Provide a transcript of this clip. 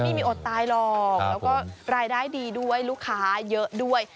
อดตายหรอกแล้วก็รายได้ดีด้วยลูกค้าเยอะด้วย